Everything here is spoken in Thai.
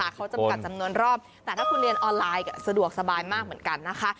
เขาจำกัดจำนวนรอบแต่ถ้าคุณเรียนออนไลน์สะดวกสบายมากเหมือนกันนะคะ